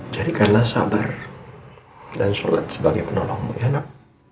jadikanlah sabar dan sholat sebagai penolongmu ya mak